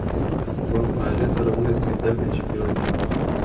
Vă încurajez să rămâneți fidel principiilor dvs.